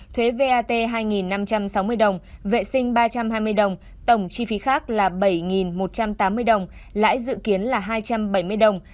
thuế vat hai năm trăm sáu mươi đồng vệ sinh ba trăm hai mươi đồng tổng chi phí khác là bảy một trăm tám mươi đồng lãi dự kiến là hai trăm bảy mươi đồng